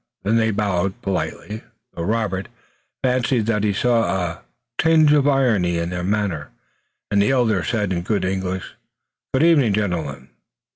Then they bowed politely, though Robert fancied that he saw a trace of irony in their manner, and the elder said in good English: "Good evening, gentlemen."